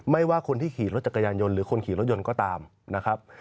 ว่าคนที่ขี่รถจักรยานยนต์หรือคนขี่รถยนต์ก็ตามนะครับ